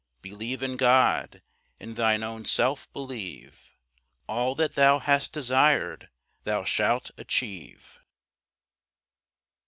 Believe in God—in thine own self believe. All that thou hast desired thou shalt achieve.